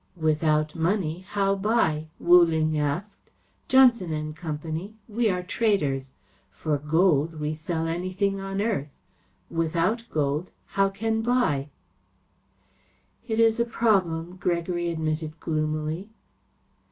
"Without money how buy?" Wu Ling asked. "Johnson and Company, we are traders. For gold we sell anything on earth. Without gold, how can buy?" "It is a problem," Gregory admitted gloomily.